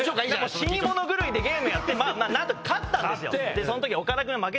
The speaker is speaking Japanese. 死に物狂いでゲームやって何とか勝ったんですよ。